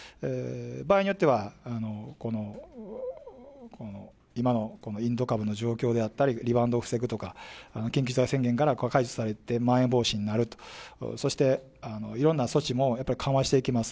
場合によっては、今のこのインド株の状況であったり、リバウンドを防ぐとか、緊急事態宣言が解除されて、まん延防止になると、そしていろんな措置もやっぱり緩和していきます。